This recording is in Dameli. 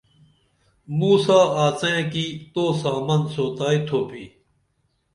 موں سا آڅئیں کی تو سامن سوتائی تُھوپی